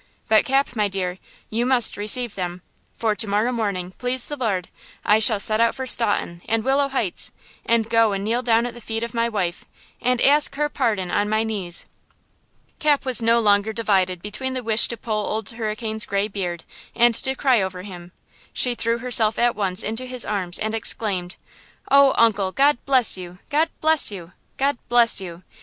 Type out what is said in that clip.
But Cap, my dear, you must receive them. For to morrow morning, please the Lord, I shall set out for Staunton and Willow Heights, and go and kneel down at the feet of my wife, and ask her pardon on my knees!" Cap was no longer divided between the wish to pull Old Hurricane's gray beard and to cry over him. She threw herself at once into his arms and exclaimed: "Oh, uncle! God bless you! God bless you! God bless you!